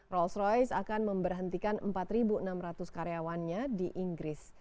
rolls royce akan memberhentikan empat enam ratus karyawannya di inggris